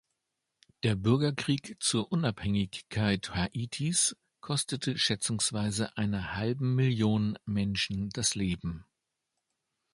Der Bürgerkrieg zur Unabhängigkeit Haitis kostete schätzungsweise einer halben Million Menschen das Leben.